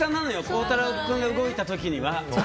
孝太郎君が動いた時には。